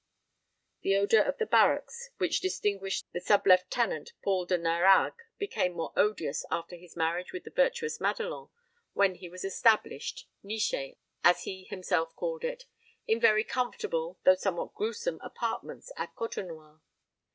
That odour of the barracks which distinguished the sub lieutenant Paul de Nérague became more odious after his marriage with the virtuous Madelon, when he was established niché, as he himself called it in very comfortable, though somewhat gruesome, apartments at Côtenoir.